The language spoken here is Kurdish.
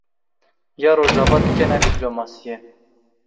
Ya rojava dike ne dîplomasî ye.